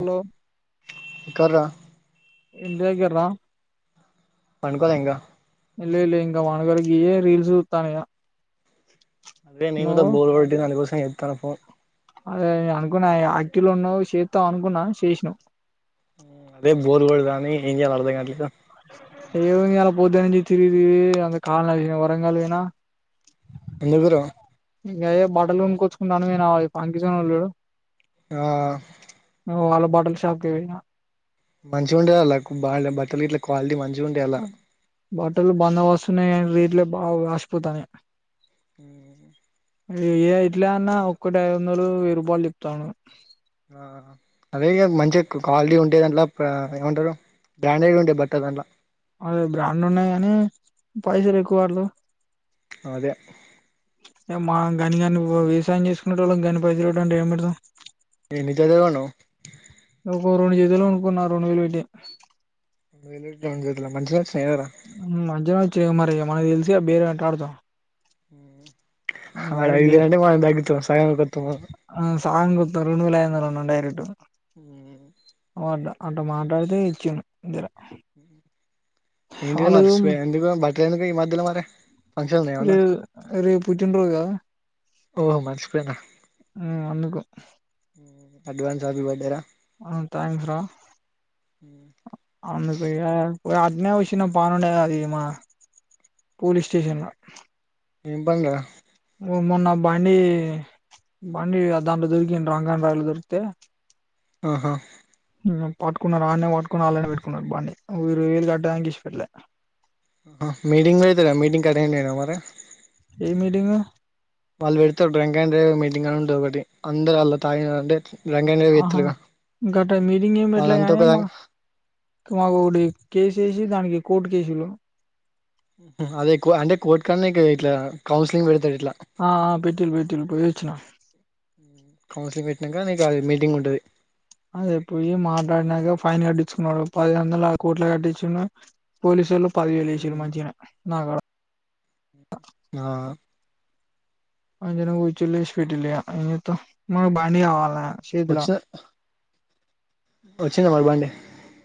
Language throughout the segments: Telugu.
హలో ఎక్కడర ఇంటి దగ్గర రా పండుకోలె ఇంకా లే లే ఇంకా పండుకోలె గియే రీల్స్ చూత్తన్న ఇగా అదే నేను కూడా బోర్ కొట్టిందని కుస్ అ ఎత్తన్నావ్ పో అదే అనుకున్నా ఆకిల్ ఉన్నావ్ చేత్తవు అనుకున్నా చేసినావ్ ఉ అదే బోర్ కొడుతంది. లో ఏం చేయాల అర్ధం గవట్లేదు ఏముంది ఇయల పొద్దునుంచి తిరిగి తిరిగి కాళ్ళు అరిగానాయి. వరంగల్ వోయిన ఎందుకు రో గదే బట్టలు కొనుకోచ్చుకుంటా అని పోయిన ఫాంకిజోన్ లేడు ఆ వాళ్ళ బాటల్ షాప్కి పోయినా మంచిగా ఉండేది. వాళ్ళకు బాల్యా బట్టలు ఇట్ల క్వాలిటీ మంచ్ బట్టలు బందొ బస్స్ ఉన్నాయి. కాని రేడ్లు లేవ్ బావ్ వాస్పోత్తనే మ్మ్ ఇయ ఇట్లేన్నా, ఒక్కటి ఐదు వందలు వేయ్యిరూపాలు ఇత్తాను. ఆహహా అదే ఇగ మంచిగ, క క్వాలిటీ ఉంటే దంట్లా పా ఏమంటారు. బ్రాండెడ్ ఉండే బట్టలు దాంట్లో అదే బ్రాండ్ ఉన్నాయని. హ్మ్ పైసలు ఎక్కువార్లు ప్చ్ అదే ప్చ్ మేం మాంగాని కాని వో వ్యవసాయం చేసుకునేటోళ్ళం, గాన్ని పైదలు [unintelligible] అంటే ఏం పెడతాం. ఎన్ని జదలు కొన్నవ్ ఒకొ రెండు జదలు కొనుకున్నా, రెండు వేలు పెట్టి మ్మ్ రెండు వేలు పెట్నా, రెండు జతల మంచివేనాస్ హ్మ్ మజాచ్చ్ [unintelligible] మరి ఇగ మనకు తెల్సుగా, బేరాల్ ఎట్టాడుతామో హ్మ్ హ్ హా ఆడ ఐదువేలు అంటే, మనం తగ్గిచ్చు సగం కొత్తము. తరును లయర్లనను డైరెక్టు ఆండ అంట మాట్లాడితే ఇచ్చాను. నిద్దర హ్మ్ హుహ్ ఇంటినే మార్చిపోయా, ఇంటికి పోదాం పా తేనికి మధ్యలో మరె ప్చ్ లేవ్ అరేప్ పుట్టిన్ రోజుగా ఓహో మార్చిపోయినా ఆ అందుకో అడ్వాన్స్ హ్యాపీ బర్డే రా హ్మ్ థాంక్స్ రా అందుకేగా వ్వాడ్నే వచిన బాగుండేది. అది మా పోలీస్ స్టేషన్లా ప్చ్ ఏం బండ్లరా మోమొన్న బండి ప్చ్, హ్మ్ బండి దాంట్లో దొరికిం డ్రంక్ అండ్ డ్రైవ్ దొరికితే ఆహా హ్మ్ పాట్టుకున్నారు. ఆన్నే పాట్టుకుని వాళ్ళనే పెట్టుకున్నారు. బండి హ్మ్ ఇరవై వేలు కడ్డానికి ఇసిపెట్లే ఆహా మీటింగ్ [unintelligible] మీటింగ్ కటింగ్ జేన మరి ఏ మీటింగు వాళ్ళు వెడుతరు. డ్రం డ్రాంక్ డ్రైవర్ మీటింగ్ అని ఉంటది. ఒకటి అందరు అల్లా తాగినా అంటే ప్చ్ ఆహా ఇంకట మీటింగ్ ఏమి వాళ్ళంతా ఒక పెట్లాగాని, మా మావొడి రకేసు వేసి దానికి కోర్టు కేసిల్లు హ్మ్ మ్మ్ అదేక్కువ అంటే, కోర్టు కన్నేక్కువే ఇట్లా ఆవ్ కౌన్స్లి [inaudible] ఆ పెటిల్ పెటిల్ పో చ్చినా హు అదే పోయి మాట్లాడినాకా ఫైన్ కట్టించుకున్నాడు పది అయిదు వందల ఆ కోట్ల కట్టించిండు పోలీసోళ్ళు పది వేయిలు వేశిరు మంచిగే నా కాడ ఆ అందనే కూచి లు ఏసి పెట్టిలు ఇగ ఎం చేత్తం మనకు బండి కావాల వచ్చ ఆ వ చ్చుగా మరి బండి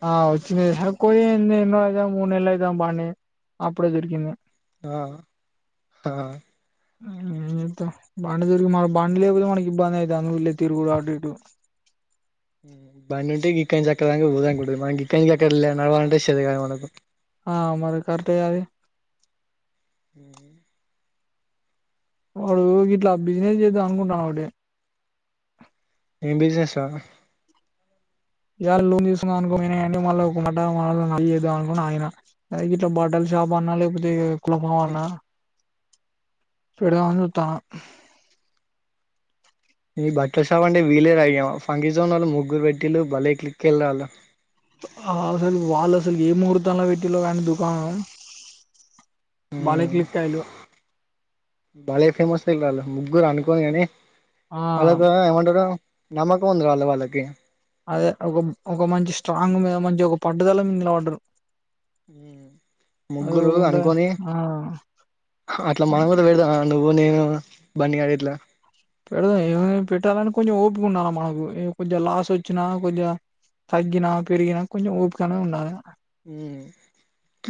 ఆ వచ్చింది ఆ హే కో ఏంది ఏందో అదే మూడు నేళ్ల అయితంది బండి అప్పుడే దొరికింది ఆ హా హుం ఏం చెత్తావ్ బండి దొరికి మర్ బండి లేకపోతే మనకు ఇబ్బంది ఐత్ బెంగళూరులో తిరుగుడు అటు ఇటు ఉమ్ బండి ఉంటే గిక్కడ నుంచి అక్కడ దాక పోదు అనుకుంటదీ మన్ గిక్కడ నుంచి అక్కడికి నడవాలంటే శాత కాదు మనకు ఆ మరి కరెక్టే గా అది హు మ్ వాడు గిట్లా బిజినెస్ చేద్దాం అనుకుంటన్ ఓటి ఏం బిజినెస్ రా ఇయాల లోన్ తీసుకుందం అనుకోనీ [unintelligible] మళ్ళ ఒక మాట మళ్ళ మతికి చేద్దాం అనుకొని ఆగిన అదే గిట్ల బట్టలు షాప్ అన్నా లేకపోతే కులకు లో అన్నా పెడుదాం అని చూత్తన్నా నీ బట్టల్ షాప్ అంటే వీలే రా ఇగ ఫంకిీజోన్ నోళ్ళు ముగ్గురు పెట్టిలు భలే క్లిక్ వళు హా అసలు వాళ్ళు అసలు ఏ ముహూర్తన్న లో పెటీలో కానీ దుకాణం బలే క్లిక్ అయిల్లు బలే ఫేమస్ లే రాలు ముగ్గురు అనుకోని అనే ఆ వాళ్ళ కు ఎమంటరు నమ్మకం ఉంది గాలే వాళ్ళకి అదే ఒక ఒక మంచి స్ట్రాంగ్ మీద మంచి ఒక పట్టుదల మింగలా పడ్డరు ముగ్గురు ఉండదు అనుకొని ఆ అట్లా మనం కూడా పెడదా నువ్వు నేను బన్నీ గాడు ఇట్లా పెడదాం ఏముంది పెట్టాలని కొంచెం ఓపిక ఉండాలి మనకు కొంచెం లాస్ వచ్చినా కొంచెం తగ్గిన పెరిగినా కొంచెం ఓపికనే ఉండాల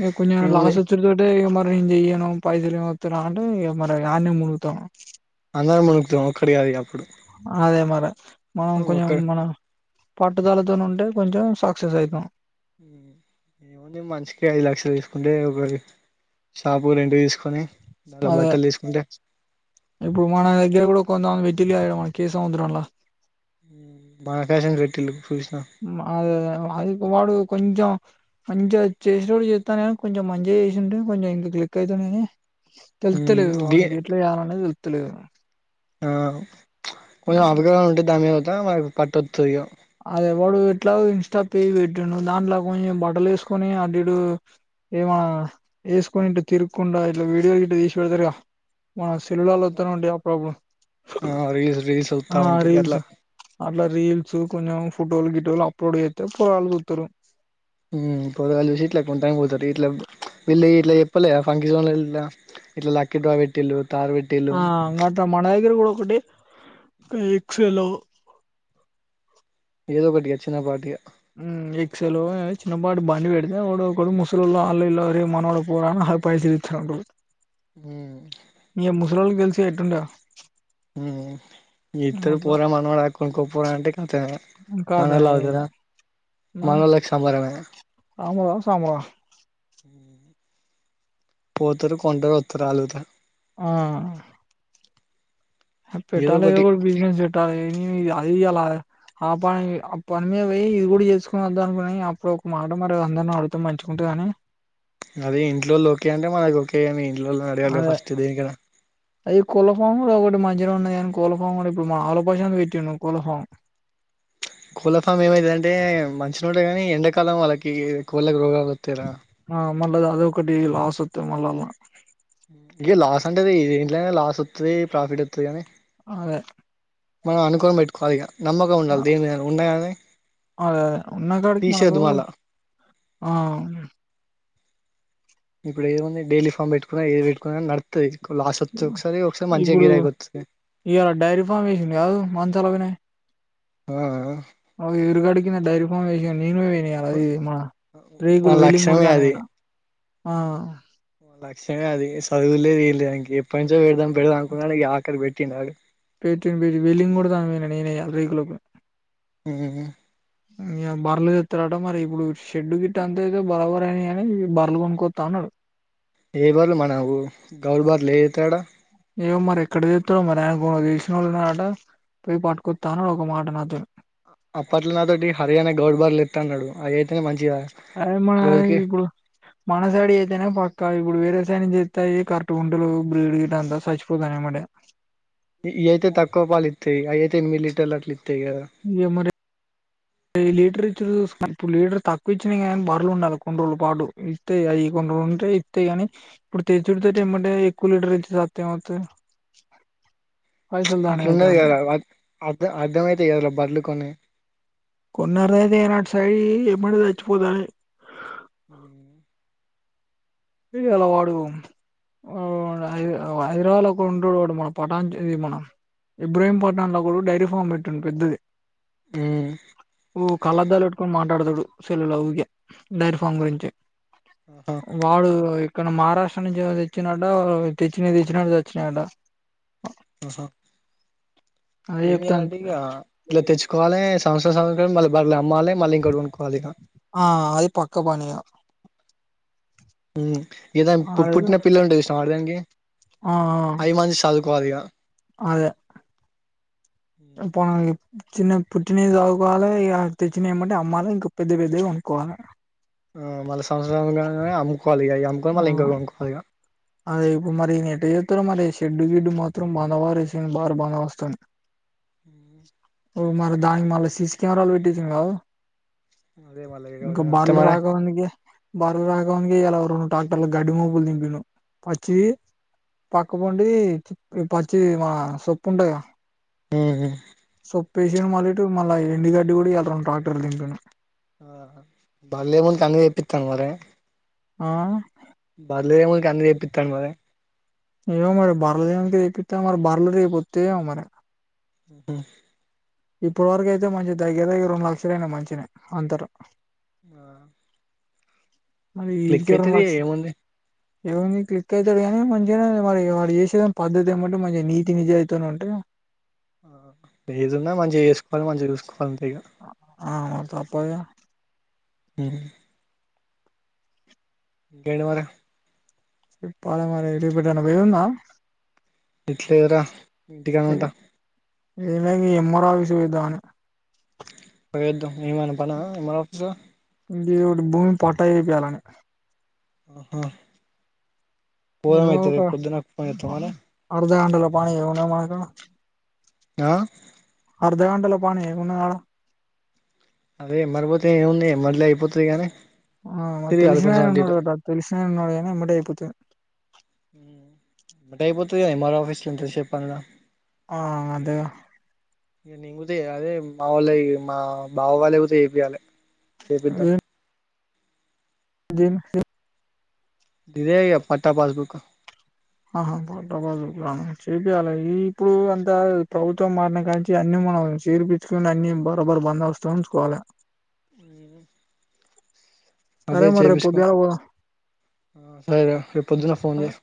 ఏ కొంచెం ఏముంది లాస్ వచ్చదటే మన్ నేన్ చెయ్యను పైసలు వత్తి రా అంటే ఇగ మరి ఆన్నే మునుగుతాం అన్న మున్ అదే మరె మనం కొంచెం ఒక్క మన పట్టుదలతో నుంట్ టే కొంచం సక్సెస్ అయితం ఏముంది మనిషి కి ఐదు లక్షలు తీసుకుంటే అది షాపు రెంట్ తీసుకొని దాంట్లో అదే బట్టలు తీసుకుంటే ఇప్పుడు మన దగ్గర కూడ కొంత మంది పెట్టిల్లు గా ఇడ మన కేసముద్రం లా బాగా ఫ్యాషం పెట్టిళ్ళు సుస్ ఆ అదే అదే అ అది వాడు కొంచం మంచిగా చేసేటోడు చేత్తండు కానీ కొంచెం మంచిగా చేసుంటే కొంచెం ఇంకా క్లిక్ అయితంది కానీ తెళ్తలేదు డి వానికి ఎట్లా చేయాలి అనేది తెలు ల్తలేదా ఆ కొంచెం అవగాహన ఉంటే దాని మీదగుతా ఒక పట్టోత్తది ఇగ అది ఎవడు ఇట్లా ఇంస్టా పేజి పెట్టిండు దంట్ల కొంచం బట్టలేసుకొని అటిటు ఏమా ఏసుకొని ఇట్ల తిరుక్కుంటా ఇట్ల వీడియో గిట్ట తీసి పెడతారు గా సెల్లుల్ల ఒత్తనే ఉంటాయి అప్పుడప్పుడు ఆ రీల్స్ రీల్స్ వత్తా ఆ ఉంటాయి రీల్స్ అట్లా అట్ల రీల్స్ కొంచెం ఫోటోలు గిటోలు అప్లోడ్ చేత్తే పోరగాళ్ళు చూత్తరు మ్ పోరగల్లు చూసి ఇట్ల కొంటానికి పోతారు ఇట్ల వెళ్లి ఇట్ల చెప్పలేదా ఫంక్షన్ లల్ల ఇట్లా ఇట్ల లక్కీ డ్రా పెట్టిళ్ళు తారు పెట్టిళ్ళు ఆ అట్ల మనదగ్గర కూడా ఒకటిఎక్సలో ఏదో ఒకటి ఇగా చిన్న పాటి ఇగ మ్ ఎక్సలో చిన్నపాటి బండి పెడితే ఎవడో ఒకడు ముసలోళ్ళు ఆళ్లిళ్ళో అరేయ్ మనోడ పోరా అని హ పైసలు ఇస్తాంట్రూ ఉం ఇగ ముసలొల్లకి తెలిసు గా ఎట్టుంటదో మ్ ఇద్దరు పోరా మన వాడే కొనుక్కో పోరా అంటే కథమే కాదా మనోళ్లు ఇగ ఆగుతారా మరి మనోళ్ళకి సంబరమేనాయే రామురా సామురా పోతరు కొంటరు ఒత రాల్లు గుత ఆ ఏదో పెట్టాలే ఒకటి ఎదో ఒక బిజినెస్ పెట్టాలి ఏ అ ఇయ్య లా ఆ పని ఆ పని మీద పోయ్ ఇది కూడా చేసుకుని వద్దాం అనుకున్నా కానీ అప్పుడొక మాట మరి అందరిని అడుగుతే మంచూగుంటది అని అది ఇంట్లోళ్లు ఒకే అంటే మనకు ఒకే గని ఇంట్లోళ్ళని అడగాలి గా అదే ఫస్ట్ దేనికయినా అది కోళ్ల ఫామ్ ఒకటి మంచిగనే ఉన్నది కాని కోళ్ల ఫామ్ కూడా ఇప్పుడు మా ఆలకోసం పెట్టిండు కోళ్ల ఫామ్ కోళ్ల ఫామ్ ఏమైతదంటే మంచినే ఉంటది కానీ ఎండాకాలం వాళ్ళకి కోళ్ళకు రోగాలు వత్తయ్ రా ఆ మళ్ళ అది ఒకటి లాస్ ఒత్తే మళ్ళ అలా గి లాస్ అంటది దేంట్లైనా లాస్ ఒత్తది ప్రాఫిట్ ఒత్తది కానీ అదే మనం అనుకొని పెట్టుకోవాలి ఇక నమ్మకం ఉండాలి అదే దేనిమీదైనా ఉన్నా గని అదే ఉన్న కాడికి మనకు తీసేద్దు మళ్ళా ఆ ఇప్పుడు ఏముంది డైలీ ఫార్మ్ పెట్టు ఒకసారి ఒకసారి మంచిగా ఇప్పుడు గిరాకి వత్తది ఇవాలా డైరీ ఫార్మేషంది కాదు మంచాలోదినే ఆ అ ఎరుగాడికిిన డైరీ ఫామ్ ఎసిండు నేను వెయ్యాల అది మన రేగులు వాళ్ళ వెలింగ్ లక్ష్యమే కొడతాడు అయినా ఆ లక్షమే అది సద్వులేద్ ఎంలేద్ అని ఏప్పంచో పెడదం పెడదాం అనుకున్నా ఈ ఆక్కరి పెట్ ట్టిండు ఆడు పెయింటింగ్ వెల్లింగ్ కొడతా [unintelligible] ఇయ్యాల రేకులకు హ్మ్ హు ఈయల బర్రలు తెత్తడట మరి ఇప్పుడు షెడ్డు గిట్ట అంత ఏదో బరాబరని అని బర్లు కొనుక్కోస్తా అన్నాడు ఏవర్లు మనవు గౌర బార్లు ఏ అవుతాడా ఏమో మరి ఎక్కడ తెత్తడో మరి ఆయన ఏవలో తెల్సినోళ్ళు ఉన్నారట పోయ్ పట్టుకొత్త అన్నడు ఒక మాట నాతో అప్పట్ల నాతోటి హరియానా గౌడ్బర్ల తన్నాడు అది అయితేనే మంచి అరే మ ఇప్పుడు మనసైడియీ అయితేనే పక్ ఇంకా ఇప్పుడు వేరేసైడ్ నుండి తెత్తే ఈ కరటు గుంటలేవు బ్రీడ్ గ అంతా సచిపోతానాయేంబటే ఇ అయితే తక్కువ పాల ఇత్తయ్ వి అయి అయితే ఎనిమిది లీటర్ల అట్ల్ ఇస్ త్తయగ డే లీటర్ ఇచ్చి చూ ఇప్పుడు లీటర్ తక్కువ ఇచ్చినా కానీనీ బర్రలు ఉండాలి కొన్ని రోజుల పాటు ఇస్తాయి అవి కొన్ని రోజులు ఉంటే ఇస్తాయి గాని ఇప్పుడు తచడితేటి ఏమంటే ఎక్కువ లీటర్ ఇచ్చంది సాధ్యమవుతాద అట్లుండది కదా అర్ అర్ద్ అర్థమైతాయి కదా రా బర్లు కొన్ని కొన్నరదనాటి సై మను సచ్చిపోతానై హ్మ్మ్ అదే కదా వాడు ఆ హైద్ హైదరాబాద్ లో ఒకడు ఉంటడు వాడు మన పట్టాణ మన ఇబ్రహీం పట్టణంలో కూడా డైరీ ఫామ్ పెట్టిండు పెద్దది ఉమ్ ఓ కళ్ళద్దాలు పెట్టుకొని మాట్ ట్డడు సూడు సెల్లులో ఊకె డైర్ ఫార్మ్ గురించి ఆహ వాడు ఇక్కడ మా రాష్ట్ర నుంచి ఏదో తెచ్చిండంట తెచ్చిన తెచ్చినట్టు సచినయట ఆహా అదే ఏం చేయాలంటే ఇగ చెప్తాండు ఇట్లా తెచ్చుకోవాలి సంవత్సర సంవ రం మల ఆ అది పక్క పనియా ఏదా పుట్ అదే పుట్టిన పిల్లలుంటే చూసినవ అర్ధంగే ఆ ఆ అదే పోన ఇ చిన్న పుట్టిన చదువుకోవాలి ఇగ తెచ్చిన ఎంబెటే అమ్మాయిలు ఇంకా పెద్ద పెద్దవి కొనుక్కోవాలి ఆ మళ సంవత్సరం కాగానే అమ్ముకోవాలిగా అ అమ్ముకొని ఆ మళ్ళీ ఇంక కొనుకోవాలిగా ఉత్తర మలి అరే షెడ్డు గిడ్డు మాత్రం బానవారేసిండు బార బాన మస్తుంది హుమ్ ఓ మరి దానికి మళ్ళ సీసి కెమెరాలు పెట్టిచిండు కదా ఉత్త బారు రాకుండా ఇయాల రెండ్ టాక్టర్లు గడ్డి మొప్పులు దింపిండు పచ్చి పక్కపొండి పచ్చి మా సొప్పు ఉంటది కదా హుమ్ హు పేషెన్ మలి టు మళ్ళా ఎండి గడ్డి కూడా ఇయాల ట్రాక్టర్లు దింపిండు ఆహా బా లేకుంటే తని తెప్పితవ్ మరీ ఆ బర్లేమునికి అన్ని తేపిత్తం మరి ఏమో మరి బర్ లు గానికి ఎక్కితే బర్ లు రేపోతాయేమో మరి హుమ్ ఇప్పడు వరకు అయితే మంచి దగ్గర దగ్గర రెండు లక్షలయినాయ్ మంచిన అంతరు ఆ క్లిక్ అయితది ఏముంది ఏమైంది క్లిక్ అయితది గానీ మంచిగానే మరి వాడు చేసేదేమి పద్ధతి ఏమంటే మంచిగా నీతి నిజాయితనే ఉంటాయి ఏదున్నా మంచిగా చేసుకోవాలి మంచిగా చూసుకోవాలి అంతే ఇగ ఆ తప్పదు గా హుమ్ గండు వార ఇ పాల మర రేపు ఎటన్న పోయేదుందా పెట్లేదురా ఇంటికనే ఉంటా ఏం లేదు ఎమ్ ఆర్ ఓ ఆఫీస్ కి పోయదమని పోయోదాం ఏమన్న పనా ఎమ్ ఆర్ ఓ ఆఫీస్ ల ఇది ఒకటి భూమి పట్టా చెపియాలంట ఆహ పోదాం అయితే రేపు పొద్దు నా ఫోన్ చేతవ మల్లా హలో పా మ ఆ అర్థగంటలో పని [unintelligible] అదే మరిపోతే ఏముంది ఏ మరలే అయిపోతుంది కానీ ఆ మరి తిరగాలి కొంచెం తెలిసినాయన అటు ఉన్నాడు ఇటు అట తెలిసినాయన ఉన్నాడు గానీ ఎమ్మటే అయిపోతది హు ఎమ్మటే అయిపొద్ద ఏం ఆర్ ఓ ఆఫస్ లో [unintelligible] ఆ అదే [unintelligible] బావ వాళ్ళు పోతే ఏపియాలి చెప్పిద్దాం దీన్ ఇదే ఇగ పట్టా పాస్ బుక్ ఆహా బబూ చేపియాలి ఇప్పుడు అంతా ప్రభుత్వం మారిన కాలిసి అన్ని మనం చేర్పించుకని అన్ని బరోబరు బందోవస్తం ఉంచుకోవాలి. సరే అదే మరిరేపు చేపిచుకో పొద్దుగాల పోదాం సరే రా రేపు పొద్దున ఫోన్ చేయి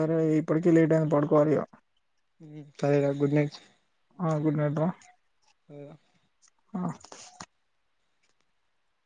సరే ఇప్పటికే లేట్ అయింది పాడుకోవాలి హు సరే గుడ్ నైట్స్ ఆ గుడ్ నైట్ రా హు ఆ